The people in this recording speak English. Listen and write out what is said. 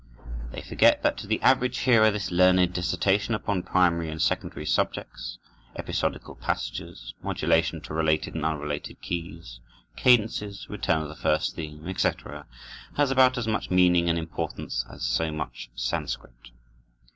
They forget that to the average hearer this learned dissertation upon primary and secondary subjects, episodical passages, modulation to related and unrelated keys, cadences, return of the first theme, etc., has about as much meaning and importance as so much Sanskrit.